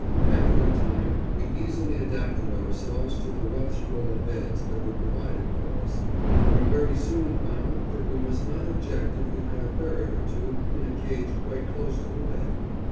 After a time we easily adapted ourselves to the rough straw beds that were provided for us, and we very soon found that we must not object if we had a ferret or two in a cage quite close to the bed.